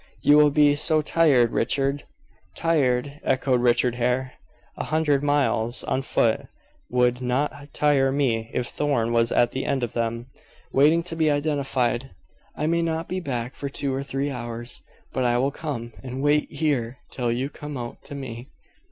"You will be so tired, Richard." "Tired!" echoed Richard Hare. "A hundred miles on foot would not tire me if Thorn was at the end of them, waiting to be identified. I may not be back for two or three hours, but I will come, and wait here till you come out to me."